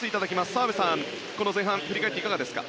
澤部さん、この前半振り返っていかがですか？